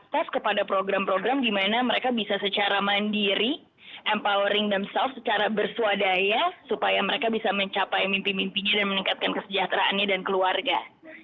jadi kita juga mengeluarkan dana dari program program di mana mereka bisa secara mandiri empowering themselves secara berswadaya supaya mereka bisa mencapai mimpi mimpi dan meningkatkan kesejahteraannya dan keluarga